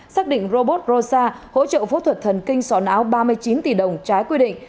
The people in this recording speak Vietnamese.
xác định robot rosa hỗ trợ phẫu thuật thần kinh sọn áo ba mươi chín tỷ đồng trái quy định